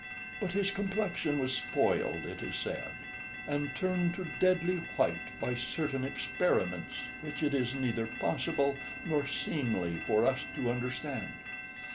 But his complexion was spoiled, it is said, and turned to deadly white by certain experiments, which it is neither possible nor seemly for us to understand.